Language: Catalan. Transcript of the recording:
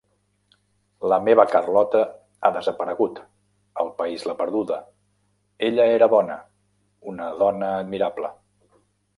La meva Carlota ha desaparegut -el país l'ha perduda- Ella era bona, una dona admirable.